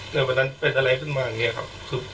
แต่วันนั้นเป็นอะไรขึ้นมาอย่างนี้ครับ